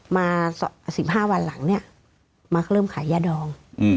มา๑๕วันหลังเนี่ยมาเริ่มขายยาดอง